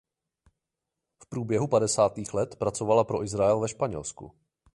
V průběhu padesátých let pracovala pro Izrael ve Španělsku.